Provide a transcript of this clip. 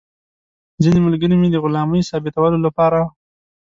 ځینې ملګري مې د غلامۍ ثابتولو لپاره.